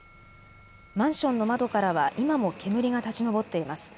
マンションの窓からは今も煙が立ち上っています。